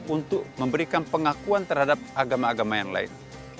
untuk memberikan pengakuan terhadap agama agama yang lain